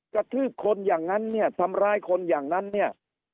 กระทืบคนอย่างนั้นเนี่ยทำร้ายคนอย่างนั้นเนี่ย